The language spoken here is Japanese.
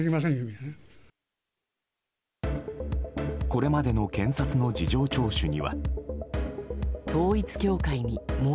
これまでの検察の事情聴取には。